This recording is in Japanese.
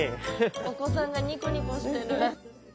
お子さんがニコニコしてる。